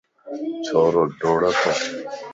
ڇورو ڊوڙتو